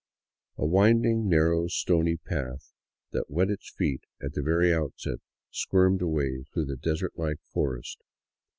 A winding, narrow, stony path, that wet its feet at the very outset, squirmed away through the desert like forest.